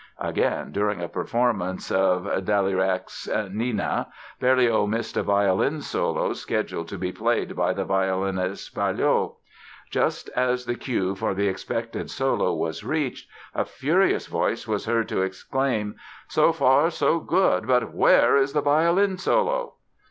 Again, during a performance of Dalayrac's "Nina" Berlioz missed a violin solo scheduled to be played by the violinist, Baillot. Just as the cue for the expected solo was reached a furious voice was heard to exclaim: "So far good, but where is the violin solo?"